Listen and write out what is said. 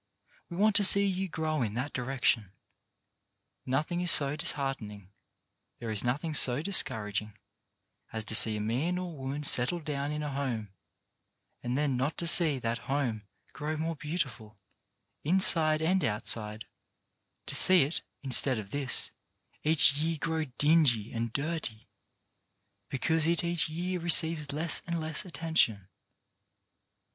We want to see you grow in that direction. Nothing is so dis heartening — there is nothing so discouraging — as to see a man or woman settle down in a home, and then not to see that home grow more beauti ful, inside and outside ;— to see it, instead of this, each year grow dingy and dirty, because it each year receives less and less attention.